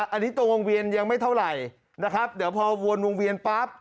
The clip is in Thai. อันนี้ตรงวงเวียนยังไม่เท่าไหร่นะครับเดี๋ยวพอวนวงเวียนปั๊บ